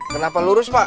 kenapa lurus pak